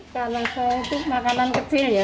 karena saya itu makanan kecil ya